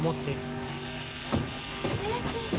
小林先生。